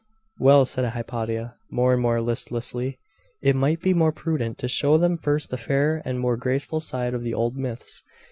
'Well,' said Hypatia, more and more listlessly; 'it might be more prudent to show them first the fairer and more graceful side of the old Myths.